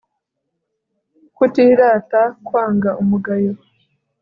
kutirata, kwanga umugayo